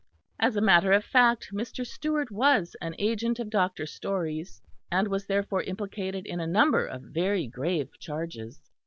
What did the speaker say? As a matter of fact, Mr. Stewart was an agent of Dr. Storey's; and was therefore implicated in a number of very grave charges.